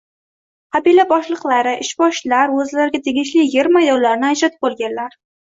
Qabila boshliqlari, ishboshilar o‘zlariga tegishli yer maydonlarini ajratib olganlar.